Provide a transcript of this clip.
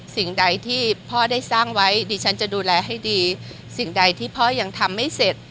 สิ่งใดที่พ่อได้สร้างไว้ดิฉันจะดูแลให้ดีสิ่งใดที่พ่อยังทำไม่เสร็จ